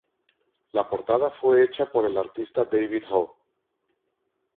La portada fue hecha por el artista David Ho.